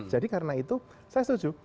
jadi karena itu saya setuju